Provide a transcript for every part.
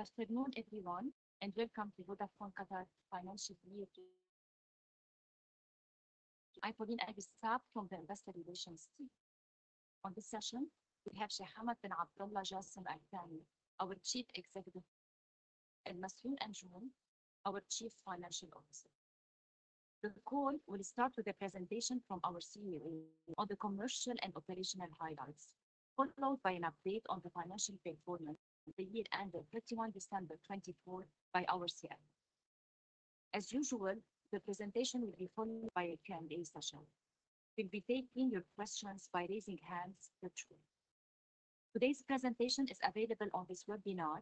Good afternoon, everyone, and welcome to Vodafone Qatar's Financial Leadership. I'm Pauline Abi Saab from the Investor Relations team. On this session, we have Sheikh Hamad Abdulla Jassim Al-Thani, our Chief Executive Officer, and Masroor Anjum, our Chief Financial Officer. The call will start with a presentation from our CEO on the commercial and operational highlights, followed by an update on the financial performance at the year-end on 31 December 2024 by our CFO. As usual, the presentation will be followed by a Q&A session. We'll be taking your questions by raising hands virtually. Today's presentation is available on this webinar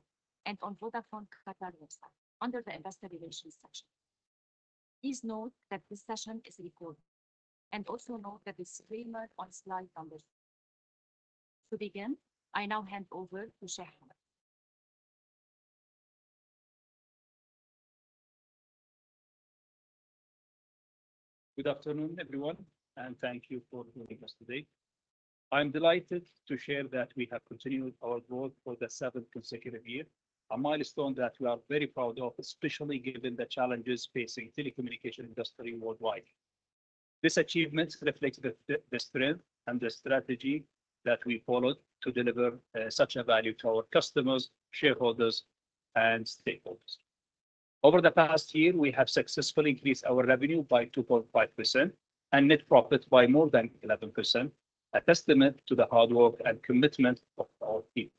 and on Vodafone Qatar's website under the Investor Relations section. Please note that this session is recorded, and also note that the disclaimer on slide number two. To begin, I now hand over to Sheikh Hamad. Good afternoon, everyone, and thank you for joining us today. I'm delighted to share that we have continued our growth for the seventh consecutive year, a milestone that we are very proud of, especially given the challenges facing the telecommunication industry worldwide. This achievement reflects the strength and the strategy that we followed to deliver such a value to our customers, shareholders, and stakeholders. Over the past year, we have successfully increased our revenue by 2.5% and net profit by more than 11%, a testament to the hard work and commitment of our team.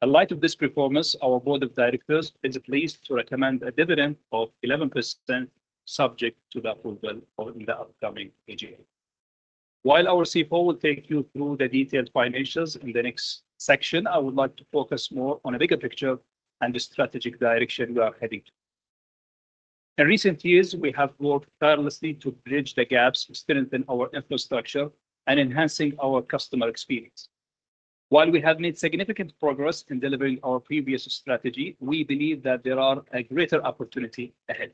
In light of this performance, our Board of Directors is pleased to recommend a dividend of 11%, subject to the approval in the upcoming AGA. While our CFO will take you through the detailed financials in the next section, I would like to focus more on the bigger picture and the strategic direction we are heading to. In recent years, we have worked tirelessly to bridge the gaps, strengthen our infrastructure, and enhance our customer experience. While we have made significant progress in delivering our previous strategy, we believe that there is a greater opportunity ahead.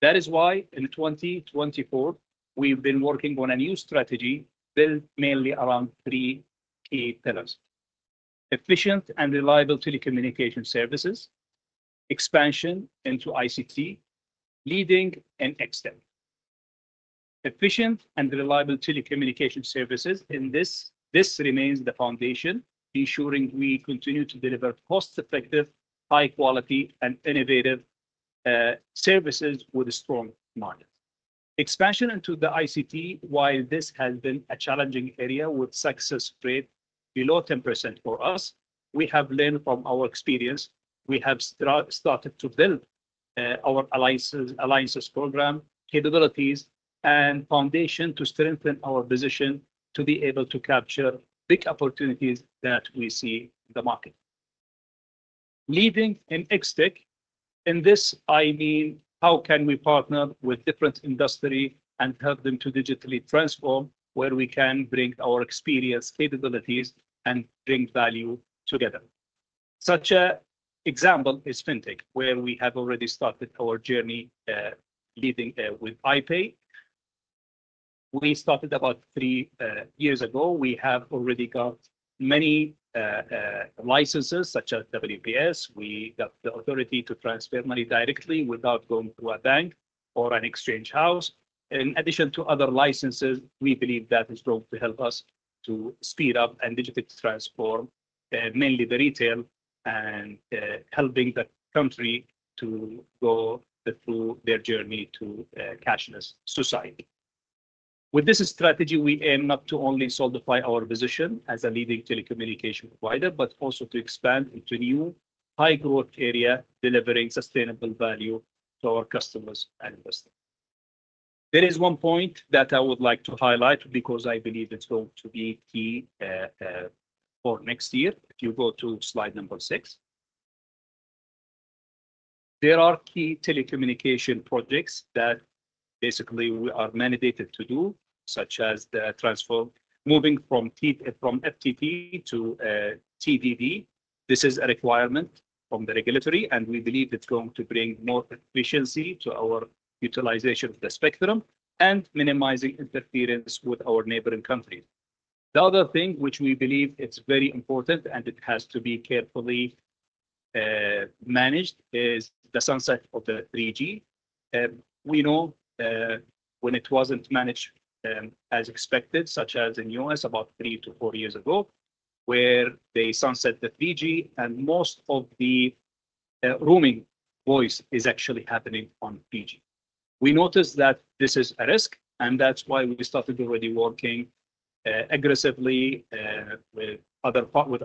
That is why, in 2024, we've been working on a new strategy built mainly around three key pillars: efficient and reliable telecommunication services, expansion into ICT, Leading in XTech. Efficient and reliable telecommunication services—this remains the foundation, ensuring we continue to deliver cost-effective, high-quality, and innovative services with a strong market. Expansion into the ICT, while this has been a challenging area with a success rate below 10% for us, we have learned from our experience. We have started to build our alliances program capabilities and foundation to strengthen our position to be able to capture big opportunities that we see in the market. Leading in XTech, in this, I mean, how can we partner with different industries and help them to digitally transform where we can bring our experience, capabilities, and bring value together? Such an example is FinTech, where we have already started our journey leading with iPay. We started about three years ago. We have already got many licenses, such as WPS. We got the authority to transfer money directly without going to a bank or an exchange house. In addition to other licenses, we believe that is going to help us to speed up and digitally transform mainly the retail and helping the country to go through their journey to a cashless society. With this strategy, we aim not to only solidify our position as a leading telecommunication provider, but also to expand into new high-growth areas, delivering sustainable value to our customers and investors. There is one point that I would like to highlight because I believe it's going to be key for next year. If you go to slide number six, there are key telecommunication projects that basically we are mandated to do, such as the transformation moving from FDD to TDD. This is a requirement from the regulator, and we believe it's going to bring more efficiency to our utilization of the spectrum and minimize interference with our neighboring countries. The other thing which we believe is very important and it has to be carefully managed is the sunset of the 3G. We know when it wasn't managed as expected, such as in the U.S. about three to four years ago, where they sunset the 3G and most of the roaming voice is actually happening on 3G. We noticed that this is a risk, and that's why we started already working aggressively with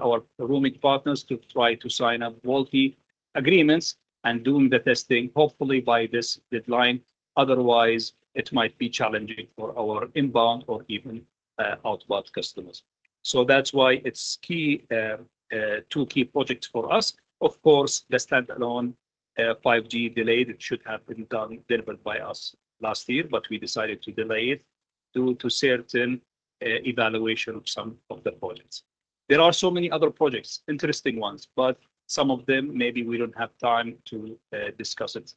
our roaming partners to try to sign up quality agreements and doing the testing, hopefully by this deadline. Otherwise, it might be challenging for our inbound or even outbound customers. So that's why it's key two key projects for us. Of course, the standalone 5G delayed should have been delivered by us last year, but we decided to delay it due to certain evaluations of some of the projects. There are so many other projects, interesting ones, but some of them maybe we don't have time to discuss it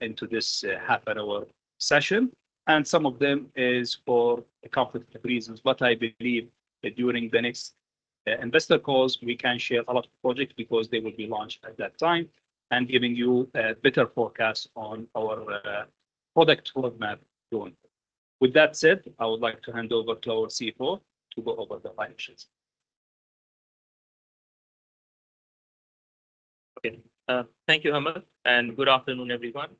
into this half an hour session, and some of them are for a couple of reasons, but I believe that during the next investor calls, we can share a lot of projects because they will be launched at that time and giving you a better forecast on our product roadmap going forward. With that said, I would like to hand over to our CFO to go over the financials. Okay. Thank you very much, and good afternoon, everyone.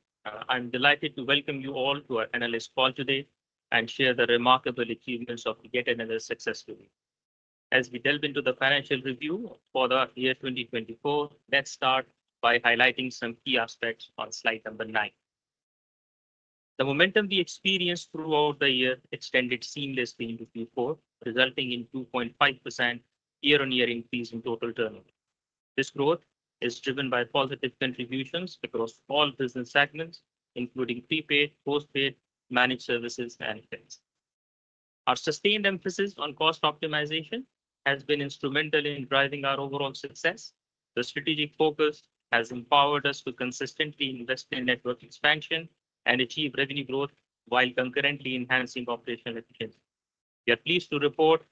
I'm delighted to welcome you all to our analyst call today and share the remarkable achievements of Vodafone Qatar successfully. As we delve into the financial review for the year 2024, let's start by highlighting some key aspects on slide number nine. The momentum we experienced throughout the year extended seamlessly into Q4, resulting in a 2.5% year-on-year increase in total turnover. This growth is driven by positive contributions across all business segments, including prepaid, postpaid, managed services, and fixed. Our sustained emphasis on cost optimization has been instrumental in driving our overall success. The strategic focus has empowered us to consistently invest in network expansion and achieve revenue growth while concurrently enhancing operational efficiency. We are pleased to report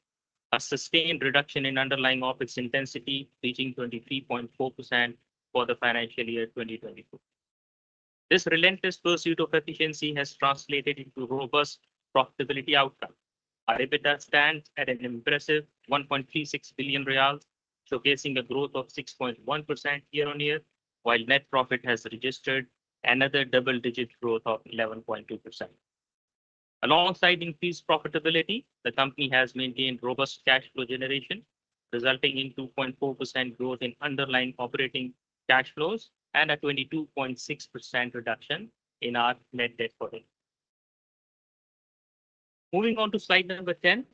a sustained reduction in underlying OpEx intensity reaching 23.4% for the financial year 2024. This relentless pursuit of efficiency has translated into robust profitability outcomes. Our EBITDA stands at an impressive 1.36 billion riyals, showcasing a growth of 6.1% year-on-year, while net profit has registered another double-digit growth of 11.2%. Alongside increased profitability, the company has maintained robust cash flow generation, resulting in 2.4% growth in underlying operating cash flows and a 22.6% reduction in our net debt for income. Moving on to slide number 10,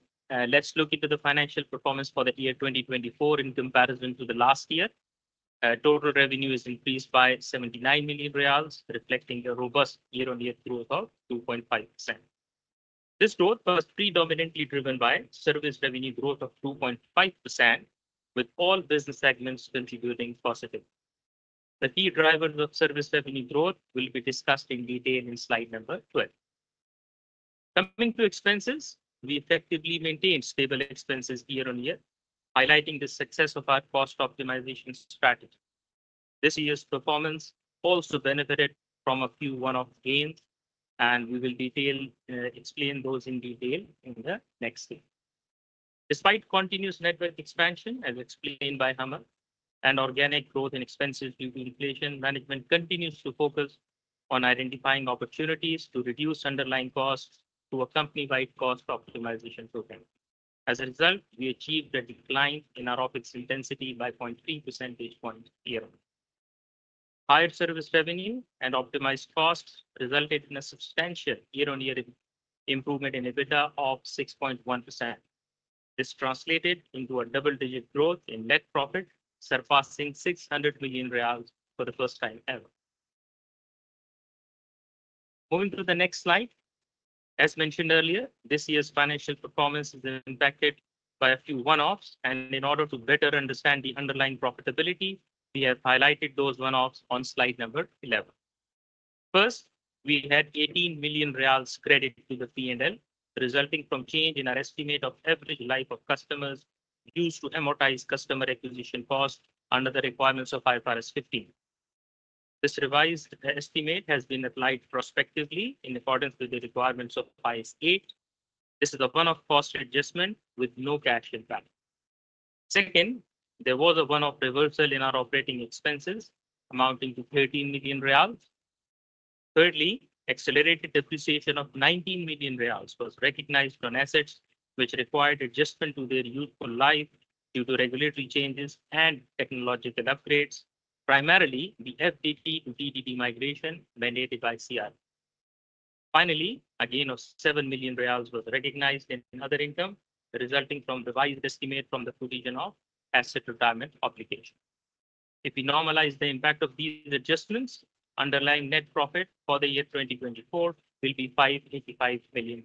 let's look into the financial performance for the year 2024 in comparison to the last year. Total revenue has increased by QAR 79 million, reflecting a robust year-on-year growth of 2.5%. This growth was predominantly driven by service revenue growth of 2.5%, with all business segments contributing positively. The key drivers of service revenue growth will be discussed in detail in slide number 12. Coming to expenses, we effectively maintained stable expenses year-on-year, highlighting the success of our cost optimization strategy. This year's performance also benefited from a few one-off gains, and we will explain those in detail in the next slide. Despite continuous network expansion, as explained by Hamad, and organic growth in expenses due to inflation, management continues to focus on identifying opportunities to reduce underlying costs through a company-wide cost optimization program. As a result, we achieved a decline in our OPEX intensity by 0.3 percentage points year-on-year. Higher service revenue and optimized costs resulted in a substantial year-on-year improvement in EBITDA of 6.1%. This translated into a double-digit growth in net profit, surpassing 600 million riyals for the first time ever. Moving to the next slide. As mentioned earlier, this year's financial performance has been impacted by a few one-offs, and in order to better understand the underlying profitability, we have highlighted those one-offs on slide number 11. First, we had 18 million riyals credit to the P&L, resulting from a change in our estimate of average life of customers used to amortize customer acquisition costs under the requirements of IFRS 15. This revised estimate has been applied prospectively in accordance with the requirements of IFRS 8. This is a one-off cost adjustment with no cash impact. Second, there was a one-off reversal in our operating expenses amounting to QAR 13 million. Thirdly, accelerated depreciation of QAR 19 million was recognized on assets which required adjustment to their useful life due to regulatory changes and technological upgrades, primarily the FDD to TDD migration mandated by CRA. Finally, a gain of QAR 7 million was recognized in other income, resulting from the revised estimate from the provision of asset retirement obligation. If we normalize the impact of these adjustments, underlying net profit for the year 2024 will be QAR 585 million.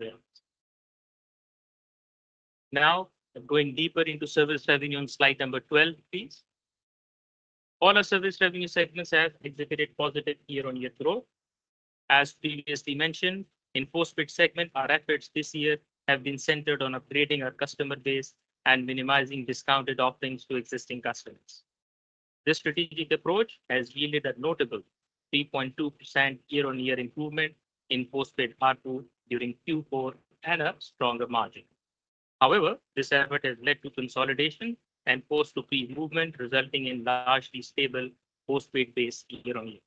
Now, going deeper into service revenue on slide number 12, please. All our service revenue segments have exhibited positive year-on-year growth. As previously mentioned, in the postpaid segment, our efforts this year have been centered on upgrading our customer base and minimizing discounted offerings to existing customers. This strategic approach has yielded a notable 3.2% year-on-year improvement in postpaid ARPU during Q4 and a stronger margin. However, this effort has led to consolidation and post-to-pre movement, resulting in a largely stable postpaid base year-on-year.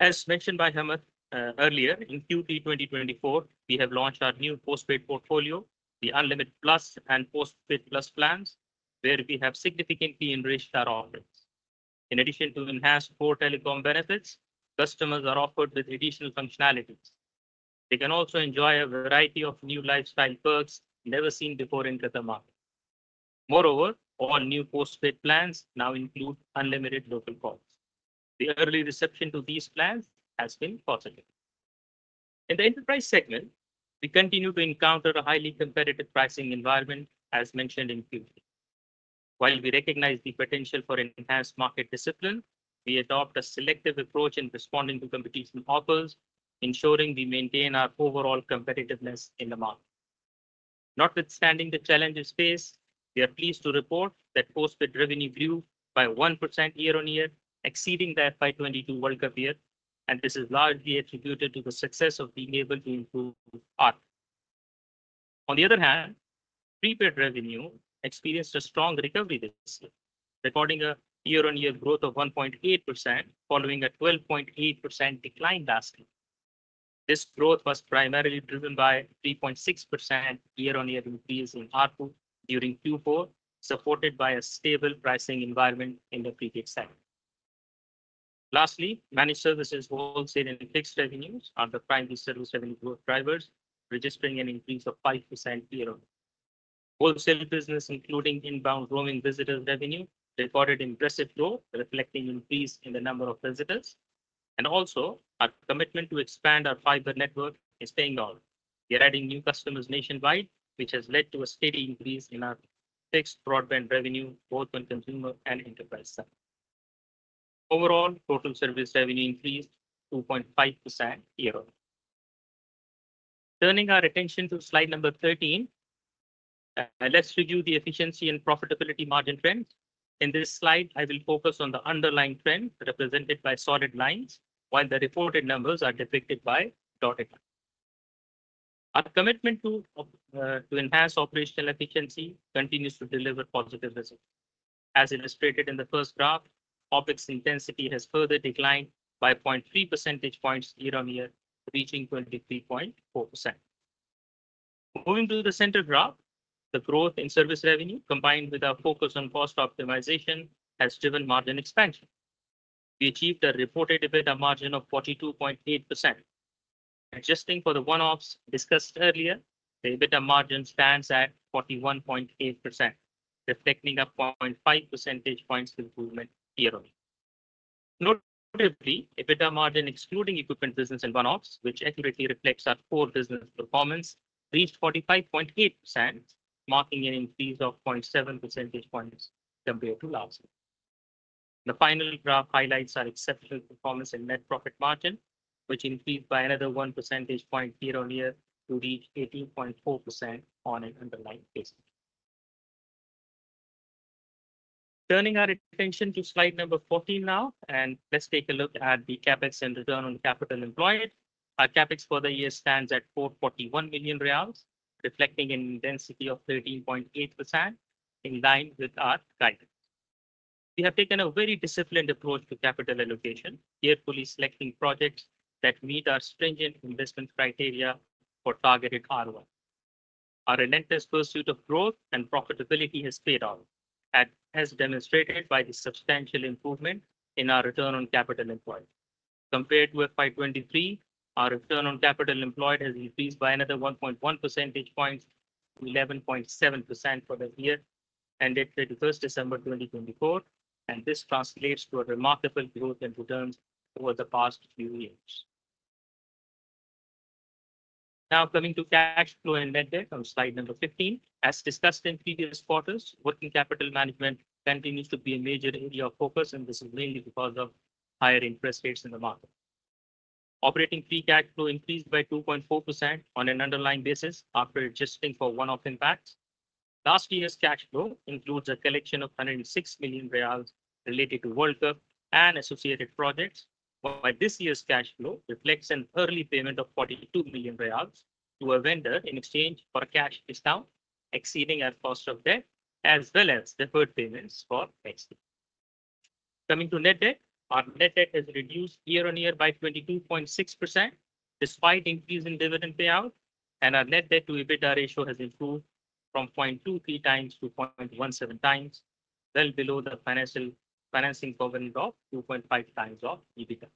As mentioned by Hamad earlier, in Q3 2024, we have launched our new postpaid portfolio, the Unlimited Plus and Postpaid Plus plans, where we have significantly enriched our offerings. In addition to enhanced core telecom benefits, customers are offered additional functionalities. They can also enjoy a variety of new lifestyle perks never seen before in Qatar market. Moreover, all new postpaid plans now include unlimited local calls. The early reception to these plans has been positive. In the enterprise segment, we continue to encounter a highly competitive pricing environment, as mentioned in Q3. While we recognize the potential for enhanced market discipline, we adopt a selective approach in responding to competition offers, ensuring we maintain our overall competitiveness in the market. Notwithstanding the challenges faced, we are pleased to report that postpaid revenue grew by 1% year-on-year, exceeding that by 2022 World Cup year, and this is largely attributed to the success of being able to improve ARPU. On the other hand, prepaid revenue experienced a strong recovery this year, recording a year-on-year growth of 1.8% following a 12.8% decline last year. This growth was primarily driven by a 3.6% year-on-year increase in ARPU during Q4, supported by a stable pricing environment in the prepaid segment. Lastly, managed services, wholesale, and fixed revenues are the primary service revenue growth drivers, registering an increase of 5% year-on-year. Wholesale business, including inbound roaming visitor revenue, recorded impressive growth, reflecting an increase in the number of visitors, and also our commitment to expand our fiber network is paying off. We are adding new customers nationwide, which has led to a steady increase in our fixed broadband revenue, both on consumer and enterprise side. Overall, total service revenue increased 2.5% year-on-year. Turning our attention to slide number 13, let's review the efficiency and profitability margin trends. In this slide, I will focus on the underlying trend represented by solid lines, while the reported numbers are depicted by dotted lines. Our commitment to enhance operational efficiency continues to deliver positive results. As illustrated in the first graph, OPEX intensity has further declined by 0.3 percentage points year-on-year, reaching 23.4%. Moving to the center graph, the growth in service revenue, combined with our focus on cost optimization, has driven margin expansion. We achieved a reported EBITDA margin of 42.8%. Adjusting for the one-offs discussed earlier, the EBITDA margin stands at 41.8%, reflecting a 0.5 percentage points improvement year-on-year. Notably, EBITDA margin excluding equipment business and one-offs, which accurately reflects our core business performance, reached 45.8%, marking an increase of 0.7 percentage points compared to last year. The final graph highlights our exceptional performance in net profit margin, which increased by another 1 percentage point year-on-year to reach 18.4% on an underlying basis. Turning our attention to slide number 14 now, and let's take a look at the CapEx and return on capital employed. Our CapEx for the year stands at QAR 441 million, reflecting an intensity of 13.8%, in line with our guidance. We have taken a very disciplined approach to capital allocation, carefully selecting projects that meet our stringent investment criteria for targeted ROI. Our relentless pursuit of growth and profitability has paid off, as demonstrated by the substantial improvement in our return on capital employed. Compared to FY 2023, our return on capital employed has increased by another 1.1 percentage points to 11.7% for the year ended 31st December 2024, and this translates to a remarkable growth in returns over the past few years. Now, coming to cash flow and net debt on slide number 15, as discussed in previous quarters, working capital management continues to be a major area of focus, and this is mainly because of higher interest rates in the market. Operating free cash flow increased by 2.4% on an underlying basis after adjusting for one-off impacts. Last year's cash flow includes a collection of 106 million riyals related to World Cup and associated projects, while this year's cash flow reflects an early payment of 42 million riyals to a vendor in exchange for a cash discount, exceeding our cost of debt, as well as deferred payments for exchange. Coming to net debt, our net debt has reduced year-on-year by 22.6% despite increasing dividend payout, and our net debt-to-EBITDA ratio has improved from 0.23 times to 0.17 times, well below the financing covenants of 2.5 times of EBITDA.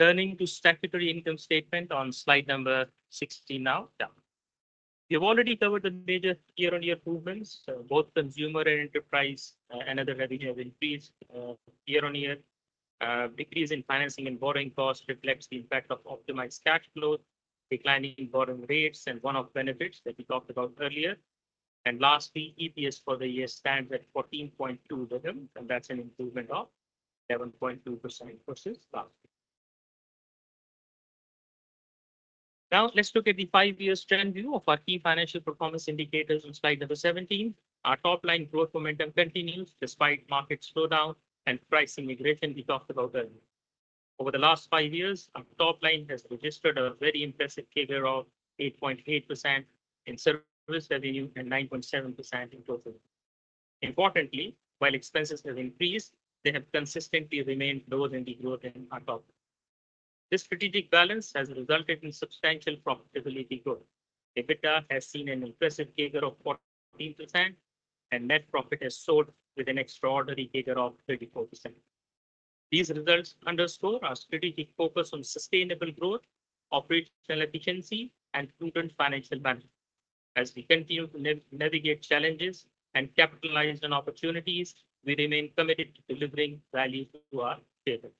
Turning to statutory income statement on slide number 16 now. We have already covered the major year-on-year movements. Both consumer and enterprise and other revenues have increased year-on-year. Decrease in financing and borrowing costs reflects the impact of optimized cash flow, declining borrowing rates, and one-off benefits that we talked about earlier. And lastly, EPS for the year stands at 14.2 dirhams, and that's an improvement of 11.2% versus last year. Now, let's look at the five-year strategic view of our key financial performance indicators on slide number 17. Our top-line growth momentum continues despite market slowdown and price erosion we talked about earlier. Over the last five years, our top-line has registered a very impressive figure of 8.8% in service revenue and 9.7% in total revenue. Importantly, while expenses have increased, they have consistently remained lower than the growth in our top-line. This strategic balance has resulted in substantial profitability growth. EBITDA has seen an impressive figure of 14%, and net profit has soared with an extraordinary figure of 34%. These results underscore our strategic focus on sustainable growth, operational efficiency, and prudent financial management. As we continue to navigate challenges and capitalize on opportunities, we remain committed to delivering value to our shareholders.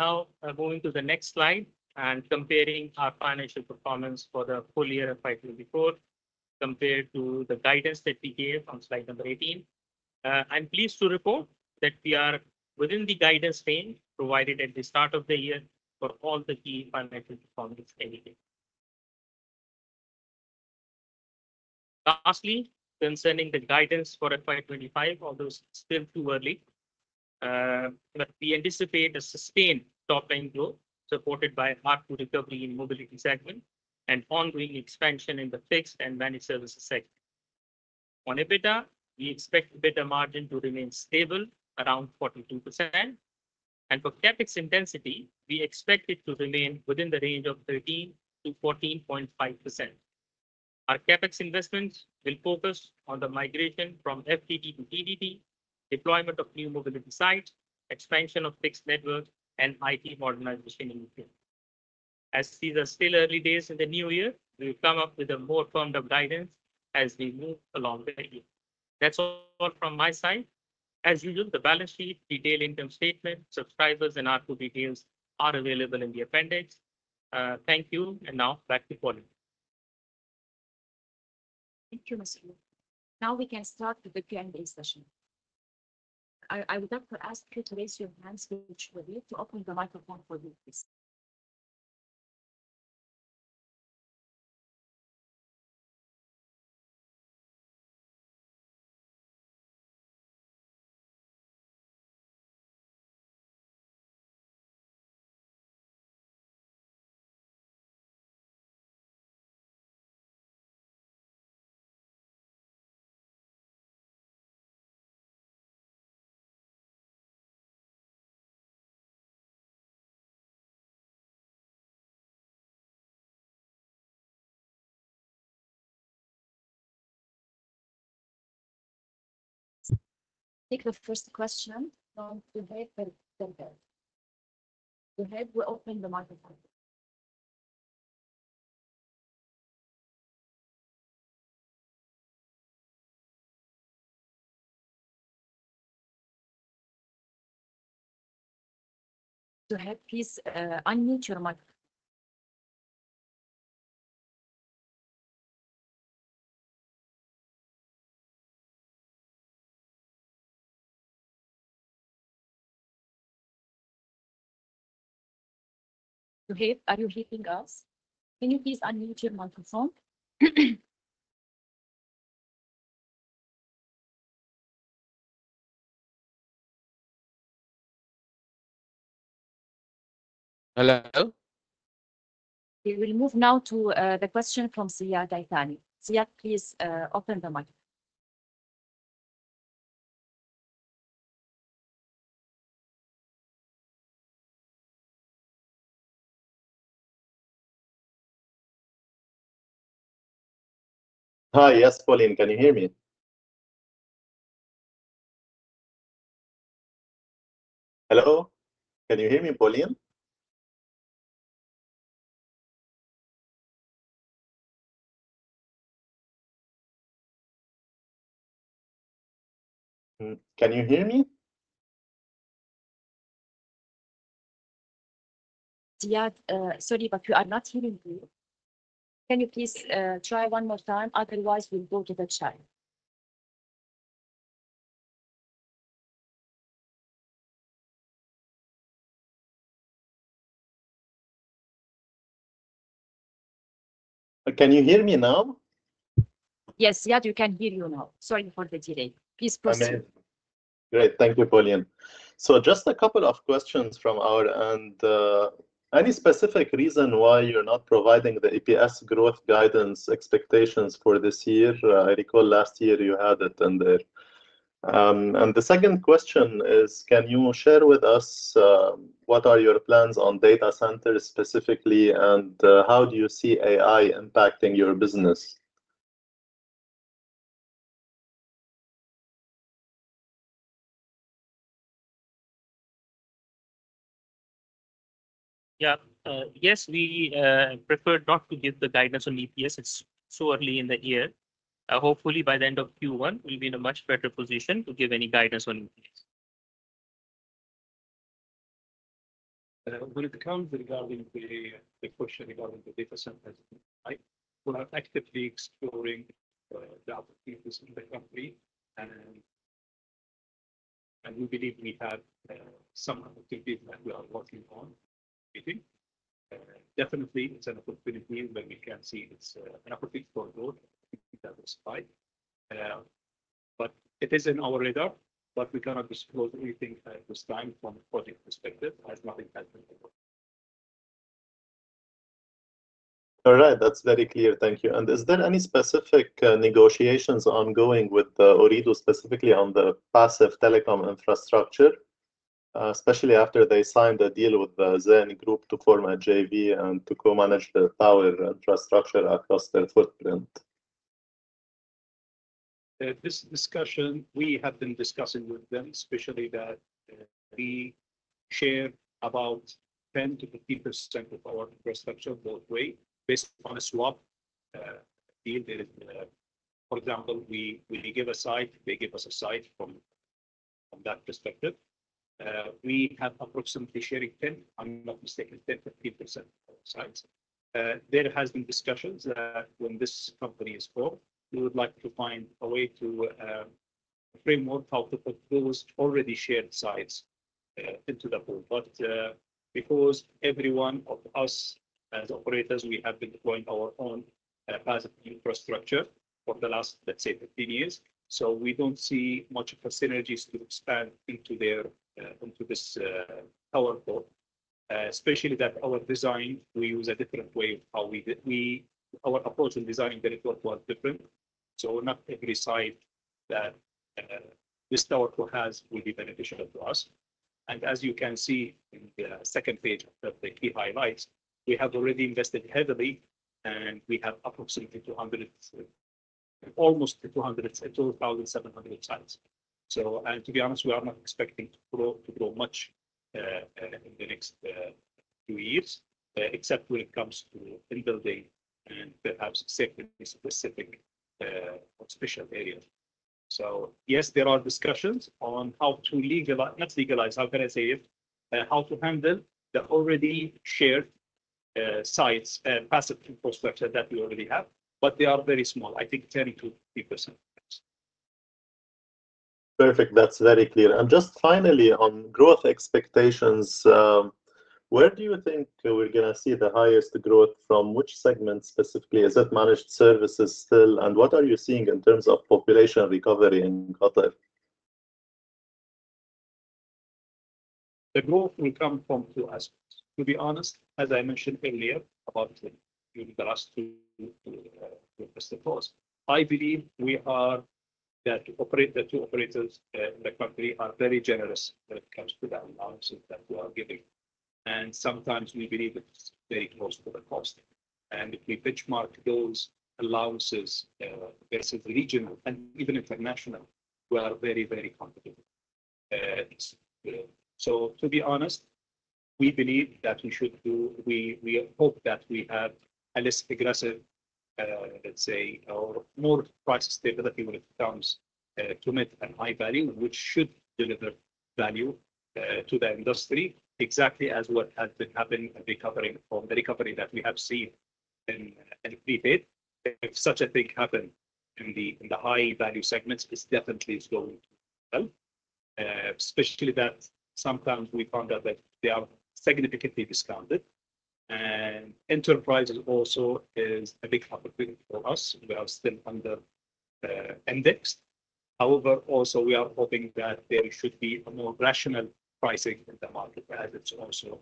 Now, moving to the next slide and comparing our financial performance for the full year of FY 2024 compared to the guidance that we gave on slide number 18, I'm pleased to report that we are within the guidance range provided at the start of the year for all the key financial performance indicators. Lastly, concerning the guidance for FY 2025, although still too early, we anticipate a sustained top-line growth supported by ARPU recovery in the mobility segment and ongoing expansion in the fixed and managed services segment. On EBITDA, we expect EBITDA margin to remain stable around 42%, and for CapEx intensity, we expect it to remain within the range of 13%-14.5%. Our CapEx investments will focus on the migration from FDD to TDD, deployment of new mobility sites, expansion of fixed network, and IT modernization in the future. As these are still early days in the new year, we will come up with a more firm guidance as we move along the year. That's all from my side. As usual, the balance sheet, detailed income statement, subscribers, and ARPU details are available in the appendix. Thank you, and now back to Pauline. Thank you, Mr. Anjum. Now we can start the Q&A session. I would like to ask you to raise your hands virtually to open the microphone for you, please. Take the first question from Zohaib and then we. Go ahead, we'll open the microphone. Go ahead, please, unmute your microphone. Zohaib, are you hearing us? Can you please unmute your microphone? Hello. We will move now to the question from Ziad Itani. Ziad, please open the microphone. Hi, yes, Pauline, can you hear me? Hello? Can you hear me, Pauline? Can you hear me? Ziad, sorry, but we are not hearing you. Can you please try one more time? Otherwise, we'll go to the chat. Can you hear me now? Yes, Ziad, we can hear you now. Sorry for the delay. Please proceed. Great, thank you, Pauline. So just a couple of questions from our end. Any specific reason why you're not providing the EPS growth guidance expectations for this year? I recall last year you had it in there. And the second question is, can you share with us what your plans are on data centers specifically, and how do you see AI impacting your business? Yeah, yes, we prefer not to give the guidance on EPS so early in the year. Hopefully, by the end of Q1, we'll be in a much better position to give any guidance on EPS. When it comes regarding the question regarding the data centers, we're actively exploring the opportunities in the country, and we believe we have some opportunities that we are working on. Definitely, it's an opportunity where we can see it's an opportunity for growth. But it is in our radar, but we cannot disclose anything at this time from a project perspective as nothing has been done. All right, that's very clear, thank you. And is there any specific negotiations ongoing with Ooredoo specifically on the passive telecom infrastructure, especially after they signed a deal with the Zain Group to form a JV and to co-manage the power infrastructure across their footprint? This discussion, we have been discussing with them, especially that we share about 10%-15% of our infrastructure both ways based on a swap. For example, we give a site. They give us a site from that perspective. We have approximately shared 10, if I'm not mistaken, 10%-15% of the sites. There have been discussions that when this company is formed, we would like to find a way to frame up how to put those already shared sites into the pool. But because every one of us, as operators, we have been deploying our own passive infrastructure for the last, let's say, 15 years, so we don't see much of a synergy to expand into the pool, especially that our design, we use a different way of how we, our approach in designing the network was different. So not every site that the pool has will be beneficial to us. And as you can see in the second page of the key highlights, we have already invested heavily, and we have approximately 2,000, almost 2,700 sites. And to be honest, we are not expecting to grow much in the next few years, except when it comes to in-building and perhaps site-specific special areas. Yes, there are discussions on how to legalize - not legalize, how can I say it - how to handle the already shared sites and passive infrastructure that we already have, but they are very small, I think 10%-15%. Perfect, that's very clear. Just finally on growth expectations, where do you think we're going to see the highest growth from which segment specifically? Is it managed services still, and what are you seeing in terms of population recovery in Qatar? The growth will come from two aspects. To be honest, as I mentioned earlier about the last two years, I believe we are - that the two operators in the country are very generous when it comes to the allowances that we are giving. Sometimes we believe it's very close to the cost. If we benchmark those allowances versus regional and even international, we are very, very comfortable. To be honest, we believe that we should do, we hope that we have a less aggressive, let's say, or more price stability when it comes to mid and high value, which should deliver value to the industry, exactly as what has been happening and recovering from the recovery that we have seen in prepaid. If such a thing happens in the high-value segments, it definitely is going to be well, especially that sometimes we found out that they are significantly discounted. Enterprises also is a big opportunity for us. We are still under-indexed. However, also we are hoping that there should be a more rational pricing in the market as it's also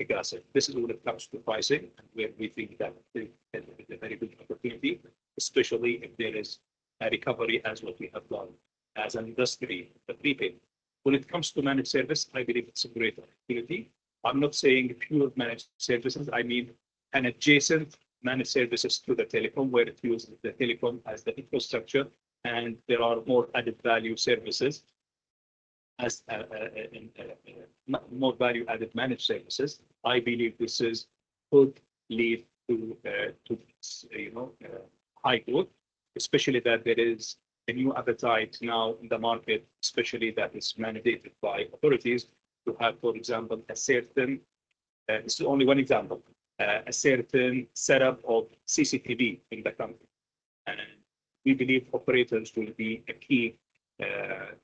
aggressive. This is when it comes to pricing, and we think that it's a very good opportunity, especially if there is a recovery as what we have done as an industry in the prepaid. When it comes to managed service, I believe it's a great opportunity. I'm not saying pure managed services. I mean an adjacent managed services to the telecom where it uses the telecom as the infrastructure, and there are more added value services, more value-added managed services. I believe this is good lever to high growth, especially that there is a new appetite now in the market, especially that is mandated by authorities to have, for example, a certain, it's only one example, a certain setup of CCTV in the country. And we believe operators will be a key,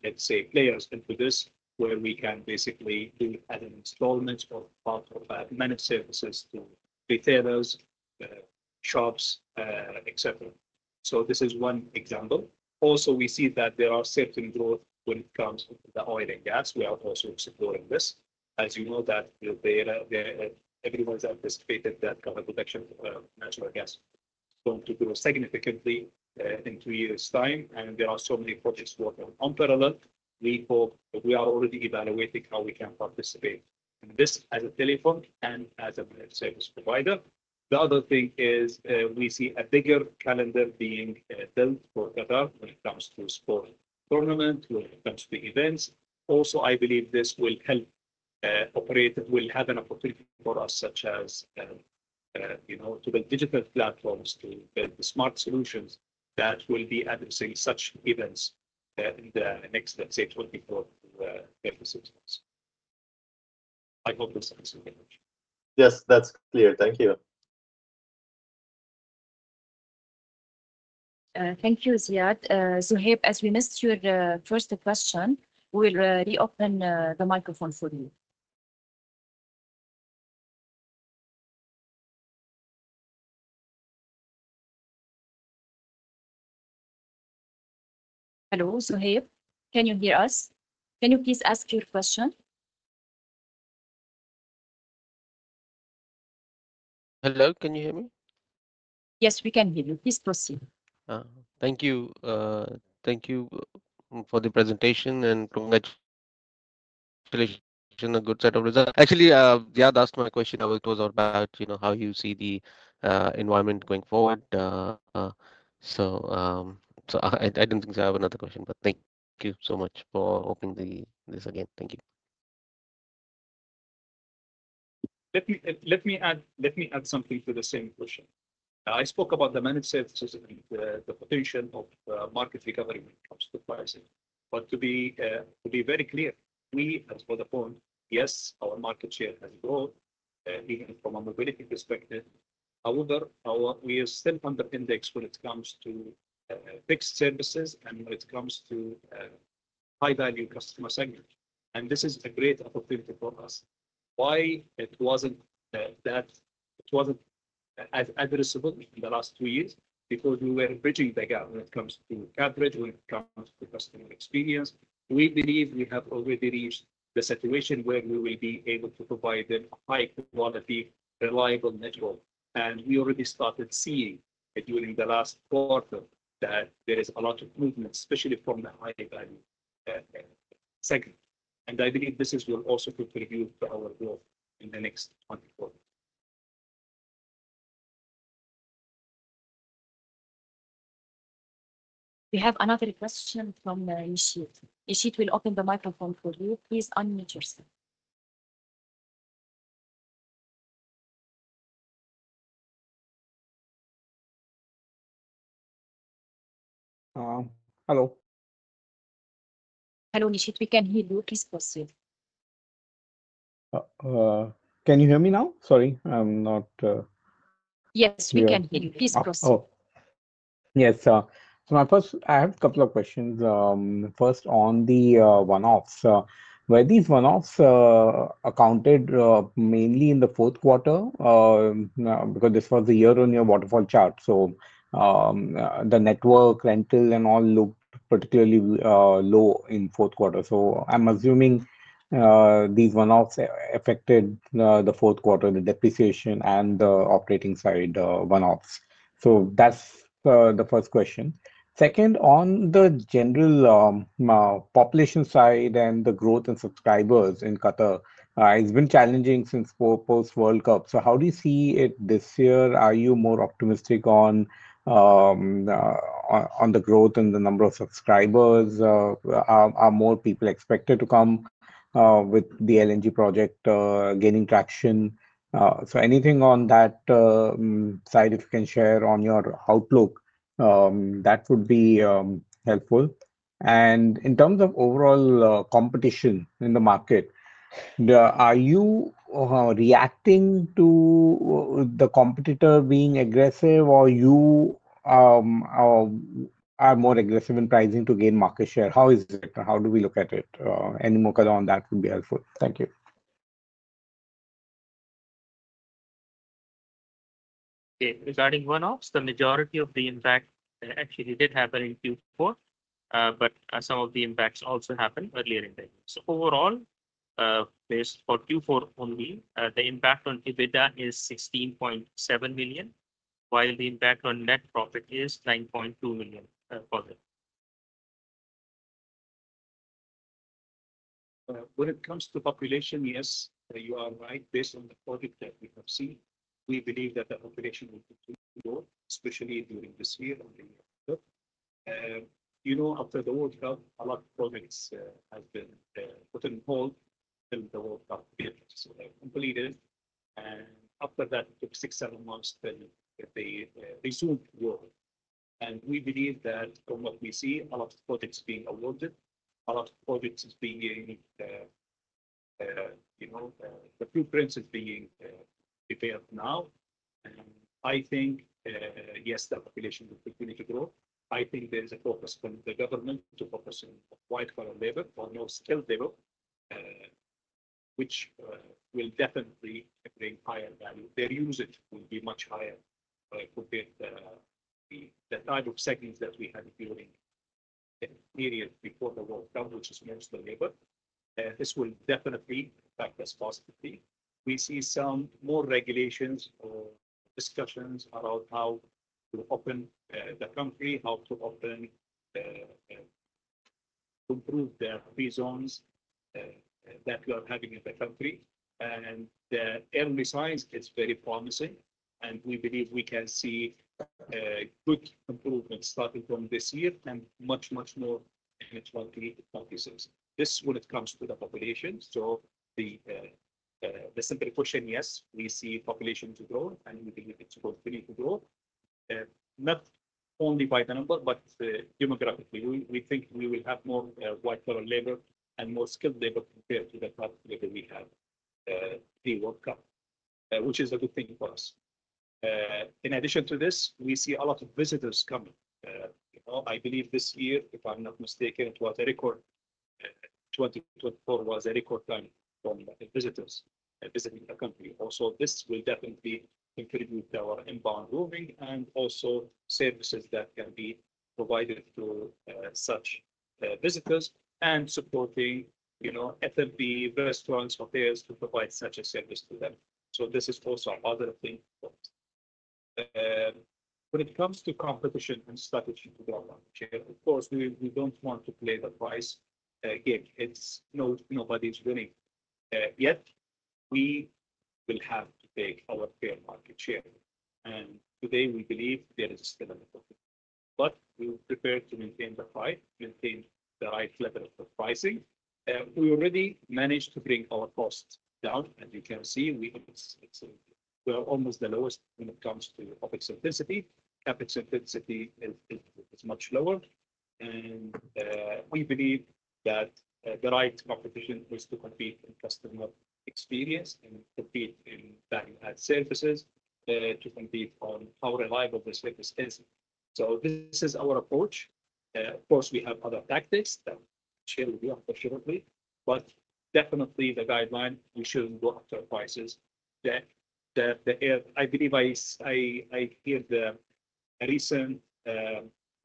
let's say, players into this where we can basically do an installation of managed services to retailers, shops, etc. So this is one example. Also, we see that there are certain growth when it comes to the oil and gas. We are also supporting this. As you know, that everyone's anticipated that carbon reduction of natural gas is going to grow significantly in two years' time, and there are so many projects working in parallel. We hope that we are already evaluating how we can participate in this as a telecom and as a managed service provider. The other thing is we see a bigger calendar being built for Qatar when it comes to sport tournaments, when it comes to events. Also, I believe this will help operators. We'll have an opportunity for us, such as to build digital platforms, to build smart solutions that will be addressing such events in the next, let's say, 24-36 months. I hope this answers your question. Yes, that's clear. Thank you. Thank you, Ziad. Zohaib, as we missed your first question, we'll reopen the microphone for you. Hello, Zohaib. Can you hear us? Can you please ask your question? Hello, can you hear me? Yes, we can hear you. Please proceed. Thank you. Thank you for the presentation and congratulations on a good set of results. Actually, Ziad asked my question about how you see the environment going forward. So I don't think I have another question, but thank you so much for opening this again. Thank you. Let me add something to the same question. I spoke about the managed services and the potential of market recovery when it comes to pricing. But to be very clear, we as Vodafone, yes, our market share has growth even from a mobility perspective. However, we are still under-indexed when it comes to fixed services and when it comes to high-value customer segments. And this is a great opportunity for us. Why it wasn't that it wasn't as addressable in the last two years? Because we were bridging the gap when it comes to coverage, when it comes to customer experience. We believe we have already reached the situation where we will be able to provide them a high-quality, reliable network. And we already started seeing during the last quarter that there is a lot of movement, especially from the high-value segment. And I believe this will also contribute to our growth in the next month or so. We have another question from Nishit. Nishit, we'll open the microphone for you. Please unmute yourself. Hello. Hello, Nishit. We can hear you. Please proceed. Can you hear me now? Sorry, I'm not. Yes, we can hear you. Please proceed. Yes. So I have a couple of questions. First, on the one-offs. Were these one-offs accounted mainly in the fourth quarter? Because this was the year-on-year waterfall chart. So the network, rental, and all looked particularly low in fourth quarter. So I'm assuming these one-offs affected the fourth quarter, the depreciation, and the operating side one-offs. So that's the first question. Second, on the general population side and the growth in subscribers in Qatar, it's been challenging since post-World Cup. So how do you see it this year? Are you more optimistic on the growth and the number of subscribers? Are more people expected to come with the LNG project gaining traction? So anything on that side if you can share on your outlook, that would be helpful. In terms of overall competition in the market, are you reacting to the competitor being aggressive, or you are more aggressive in pricing to gain market share? How is it? How do we look at it? Any more color on that would be helpful. Thank you. Regarding one-offs, the majority of the impact actually did happen in Q4, but some of the impacts also happened earlier in the year. So overall, based for Q4 only, the impact on EBITDA is 16.7 million, while the impact on net profit is 9.2 million for them. When it comes to population, yes, you are right. Based on the project that we have seen, we believe that the population will continue to grow, especially during this year and the year after. After the World Cup, a lot of projects have been put on hold until the World Cup completed. After that, it took six, seven months to resume growth. We believe that from what we see, a lot of projects being awarded, the blueprint is being prepared now. I think, yes, the population will continue to grow. I think there is a focus from the government to focus on white-collar labor or low-skilled labor, which will definitely bring higher value. Their usage will be much higher compared to the type of segments that we had during the period before the World Cup, which is mostly labor. This will definitely impact us positively. We see some more regulations or discussions around how to open the country, how to improve the free zones that we are having in the country. The economy is very promising, and we believe we can see good improvements starting from this year and much, much more in 2026. This is when it comes to the population. The simple question, yes, we see population to grow, and we believe it's continuing to grow. Not only by the number, but demographically, we think we will have more white-collar labor and more skilled labor compared to the current labor we had pre-World Cup, which is a good thing for us. In addition to this, we see a lot of visitors coming. I believe this year, if I'm not mistaken, it was a record, 2024 was a record time from visitors visiting the country. Also, this will definitely contribute to our inbound roaming and also services that can be provided to such visitors and supporting F&B, restaurants, hotels to provide such a service to them. So this is also another thing. When it comes to competition and strategy to grow market share, of course, we don't want to play the price game. Nobody's winning yet. We will have to take our fair market share. And today, we believe there is still a little bit. But we're prepared to maintain the price, maintain the right level of pricing. We already managed to bring our costs down. As you can see, we are almost the lowest when it comes to OPEX intensity. CAPEX intensity is much lower. And we believe that the right competition is to compete in customer experience and compete in value-added services to compete on how reliable the service is. So this is our approach. Of course, we have other tactics that will show you appreciatively. But definitely, the guideline, we shouldn't go after prices. I believe I hear the recent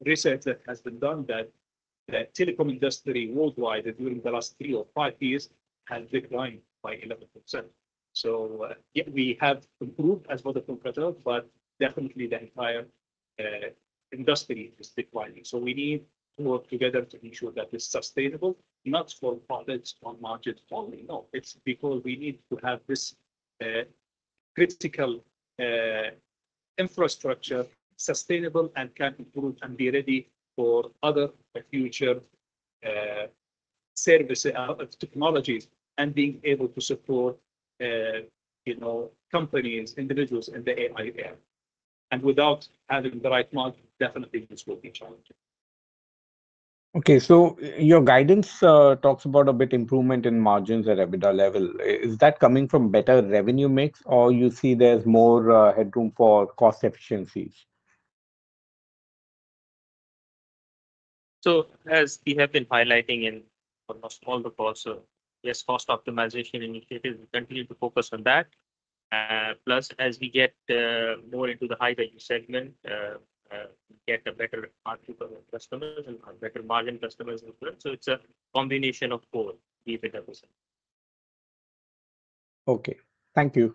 research that has been done that the telecom industry worldwide during the last three or five years has declined by 11%, so we have improved as Vodafone Qatar, but definitely the entire industry is declining. So we need to work together to ensure that it's sustainable, not for profits on market falling. No, it's because we need to have this critical infrastructure sustainable and can improve and be ready for other future technologies and being able to support companies, individuals in the AI era, and without having the right market, definitely this will be challenging. Okay, so your guidance talks about a bit of improvement in margins at EBITDA level. Is that coming from better revenue mix, or do you see there's more headroom for cost efficiencies? So as we have been highlighting in almost all the course, yes, cost optimization initiative, we continue to focus on that. Plus, as we get more into the high-value segment, we get a better margin customers and a better margin customers inference. So it's a combination of both, EBITDA %. Okay. Thank you.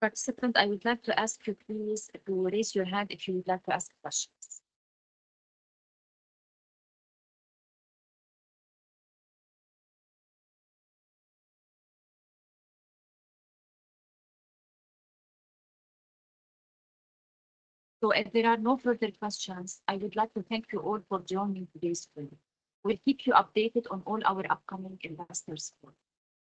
Participants, I would like to ask you, please, to raise your hand if you would like to ask questions. So if there are no further questions, I would like to thank you all for joining today's stream. We'll keep you updated on all our upcoming investors.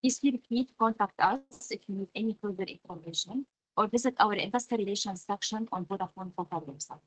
Please feel free to contact us if you need any further information or visit our investor relations section on Vodafone Qatar website.